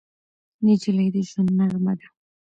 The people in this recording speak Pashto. نجلۍ د ژوند نغمه ده.